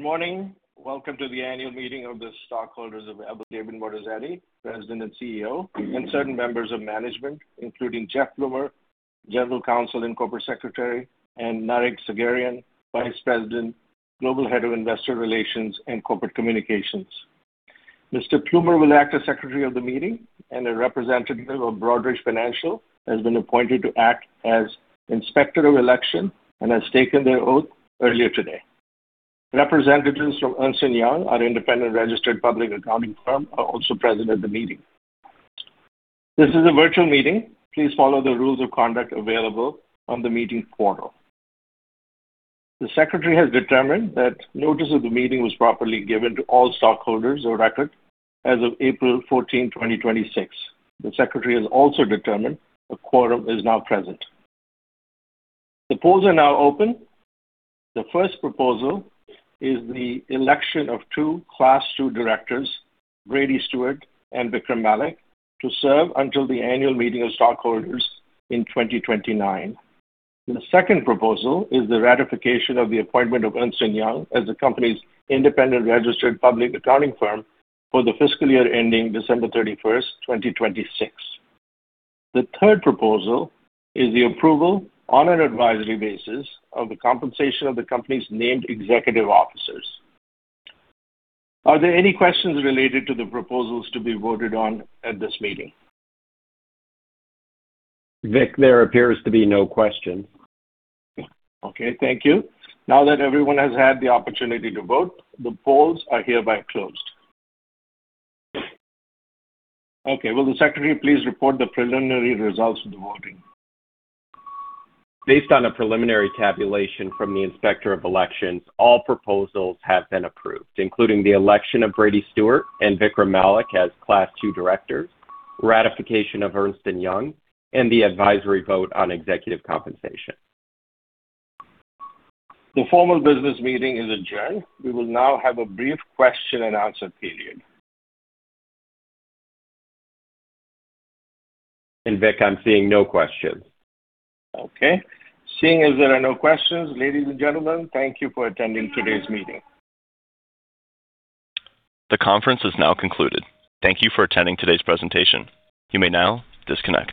Good morning. Welcome to the annual meeting of the stockholders of Evolus, Inc. David Moatazedi, President and CEO, and certain members of management, including Jeff Plumer, General Counsel and Corporate Secretary, and Nareg Sagherian, Vice President, Global Head of Investor Relations and Corporate Communications. Mr. Plumer will act as Secretary of the meeting, and a representative of Broadridge Financial has been appointed to act as inspector of election and has taken their oath earlier today. Representatives from Ernst & Young, our independent registered public accounting firm, are also present at the meeting. This is a virtual meeting. Please follow the rules of conduct available on the meeting portal. The Secretary has determined that notice of the meeting was properly given to all stockholders of record as of April 14, 2026. The Secretary has also determined a quorum is now present. The polls are now open. The first proposal is the election of two class 2 directors, Brady Stewart and Vikram Malik, to serve until the annual meeting of stockholders in 2029. The second proposal is the ratification of the appointment of Ernst & Young as the company's independent registered public accounting firm for the fiscal year ending December 31, 2026. The third proposal is the approval, on an advisory basis, of the compensation of the company's named executive officers. Are there any questions related to the proposals to be voted on at this meeting? Vic, there appears to be no questions. Okay, thank you. Now that everyone has had the opportunity to vote, the polls are hereby closed. Okay, will the Secretary please report the preliminary results of the voting? Based on a preliminary tabulation from the inspector of elections, all proposals have been approved, including the election of Brady Stewart and Vikram Malik as class 2 directors, ratification of Ernst & Young, and the advisory vote on executive compensation. The formal business meeting is adjourned. We will now have a brief question and answer period. Vic, I'm seeing no questions. Okay. Seeing as there are no questions, ladies and gentlemen, thank you for attending today's meeting. The conference is now concluded. Thank you for attending today's presentation. You may now disconnect.